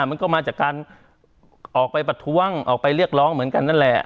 มันก็มาจากการออกไปประท้วงออกไปเรียกร้องเหมือนกันนั่นแหละ